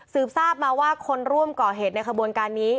ทราบมาว่าคนร่วมก่อเหตุในขบวนการนี้